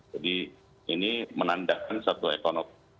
jadi ini menandakan satu ekonomi